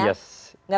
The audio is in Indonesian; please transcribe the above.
gak perlu didesak